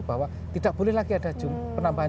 bahwa tidak boleh lagi ada penambahan